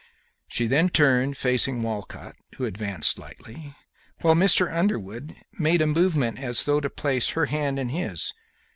She then turned, facing Walcott, who advanced slightly, while Mr. Underwood made a movement as though to place her hand in his.